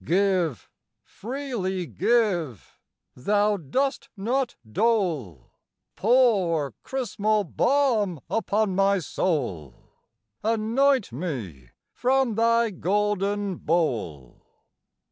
Give, freely give Thou dost not dole! Pour chrismal balm upon my soul! Anoint me from Thy golden bowl!